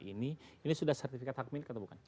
ini sudah sertifikat hak milik atau bukan